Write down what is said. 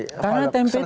karena tempe itu kan